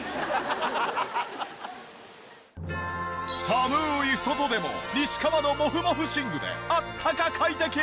寒い外でも西川のモフモフ寝具であったか快適！